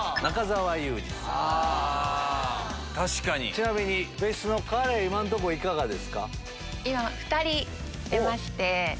ちなみに別室のカレン今のところいかがですか？